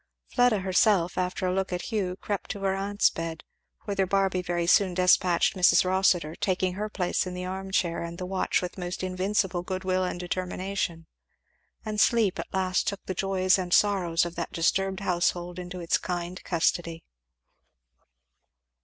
Fleda herself, after a look at Hugh, crept to her aunt's bed; whither Barby very soon despatched Mrs. Rossitur, taking in her place the arm chair and the watch with most invincible good will and determination; and sleep at last took the joys and sorrows of that disturbed household into its kind custody.